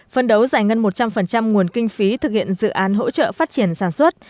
phân đấu giải ngân một trăm linh nguồn kinh phí thực hiện dự án hỗ trợ phát triển sản xuất